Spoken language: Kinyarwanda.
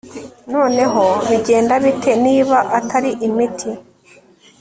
noneho bigenda bite niba atari imiti